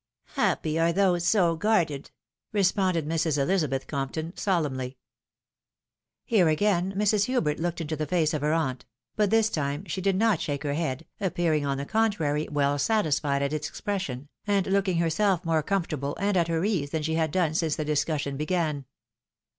" Happy are those so guarded," responded Mrs. Ehzabeth Compton, solemnly. Here again Mrs. Hubert looked into the face of her aunt ; but this time she did not shake her head, appearing on the con trary well satisfied at its expression, and looking herself mora comfortable and at her ease than she had done since the discus sion began.